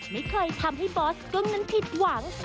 ไม่เคยทำให้บอสกึ้งนั้นผิดหวัง